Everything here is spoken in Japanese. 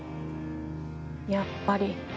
やっぱり。